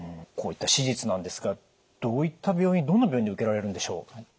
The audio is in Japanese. こういった手術なんですがどういった病院どんな病院で受けられるんでしょう？